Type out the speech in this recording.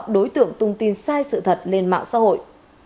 đối tượng tung tin sai sự thật lên mạng xã hội